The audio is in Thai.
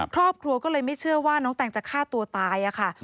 ครอบครัวก็เลยไม่เชื่อว่าน้องแตงจะฆ่าตัวตายค่ะ